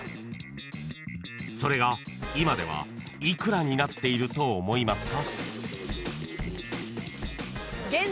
［それが今では幾らになっていると思いますか？］